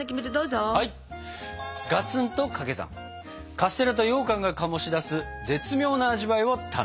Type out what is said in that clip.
カステラとようかんが醸し出す絶妙な味わいを楽しみます。